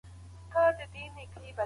بد انسان ظلم خوښوي